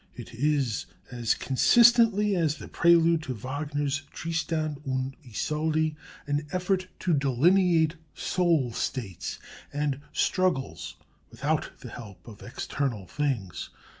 It is, as consistently as the prelude to Wagner's 'Tristan und Isolde,' an effort to delineate soul states and struggles without the help of external things.